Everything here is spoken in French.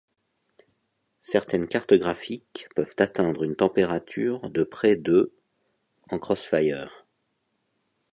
Certaines cartes graphiques peuvent atteindre une température de près de en CrossFire.